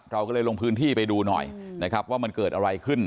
เราก็เลยลงพื้นที่ไปดูหน่อยนะครับว่ามันเกิดอะไรขึ้น